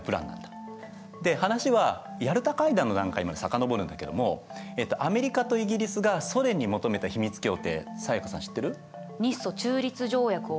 で話はヤルタ会談の段階まで遡るんだけどもアメリカとイギリスがソ連に求めた秘密協定才加さん